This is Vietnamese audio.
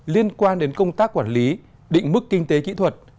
liên quan đến công tác quản lý định mức kinh tế kỹ thuật